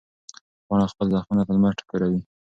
پاڼه خپل زخمونه په لمر ټکوروي.